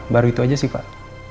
baru itu aja sih pak